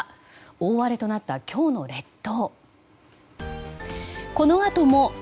大荒れとなった今日の列島。